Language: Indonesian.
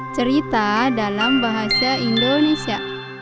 cerita dalam bahasa indonesia